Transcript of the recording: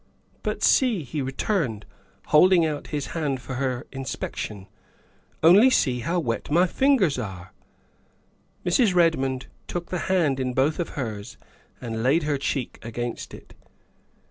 " But see," he returned, holding out his hand for her inspection, '' only see how wet my fingers are. '' Mrs. Redmond took the hand hi both of hers and laid her cheek against it.